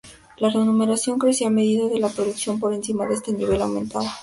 La remuneración crecía a medida que la producción por encima de este nivel aumentaba.